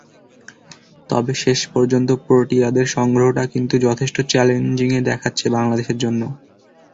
তবে শেষ পর্যন্ত প্রোটিয়াদের সংগ্রহটা কিন্তু যথেষ্ট চ্যালেঞ্জিংই দেখাচ্ছে বাংলাদেশের জন্য।